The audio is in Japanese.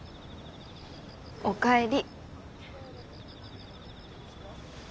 お帰り。